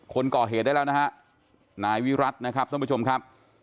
คนก่อเหตุได้แล้วนะฮะนายวิรัตินะครับท่านผู้ชมครับ